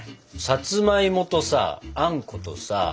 さつまいもとさあんことさ